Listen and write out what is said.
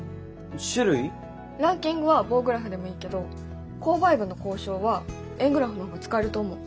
ランキングは棒グラフでもいいけど購買部の交渉は円グラフの方が使えると思う。